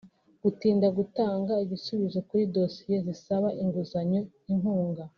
Gutinda gutanga igisubizo kuri dosiye zisaba inguzanyo/inkunga